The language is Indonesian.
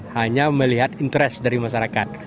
hanya melihat interest dari masyarakat